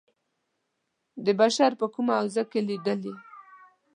د بشر په کومه حوزه کې لېدلي.